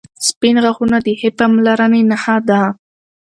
• سپین غاښونه د ښې پاملرنې نښه ده.